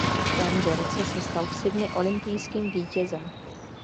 V témže roce se stal v Sydney olympijským vítězem.